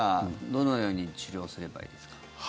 どのように治療すればいいですか？